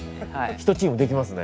ひとチームできますね。